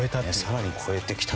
更に超えてきた。